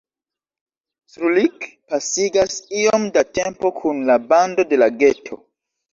Srulik pasigas iom da tempo kun la bando en la geto.